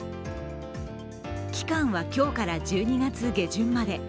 期間は今日から１２月下旬まで。